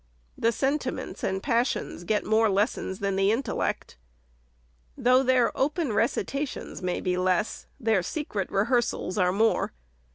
The sentiments • and passions get more lessons than the intellect. Though their open recitations may be less, their secret rehearsals are more.